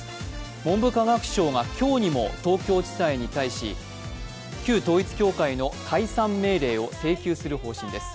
文部科学省が今日にも、東京地裁に対し旧統一教会への解散命令を請求する方針です。